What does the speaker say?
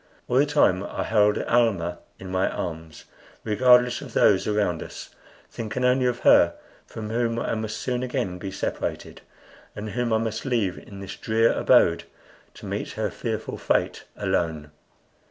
All the time I held Almah in my arms, regardless of those around us, thinking only of her from whom I must soon again be separated, and whom I must leave in this drear abode to meet her fearful fate alone.